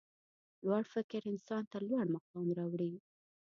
لوړ فکر انسان ته لوړ مقام راوړي.